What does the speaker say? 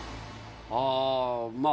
ああーまあ。